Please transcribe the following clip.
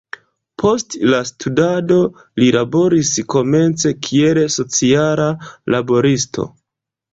Post la studado, li laboris komence kiel sociala laboristo.